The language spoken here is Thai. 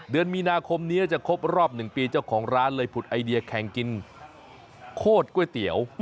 เดือนมีนาคมนี้จะครบรอบ๑ปีเจ้าของร้านเลยผุดไอเดียแข่งกินโคตรก๋วยเตี๋ยว